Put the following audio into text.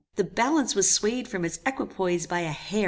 The balance was swayed from its equipoise by a hair.